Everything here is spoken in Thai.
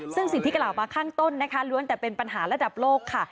ซึ่งสิ่งที่กล่าวมาข้างต้นนะคะล้วนแต่เป็นปัญหาระดับโลกค่ะ